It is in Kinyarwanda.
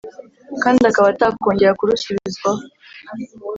kandi akaba atakongera kurusubizwaho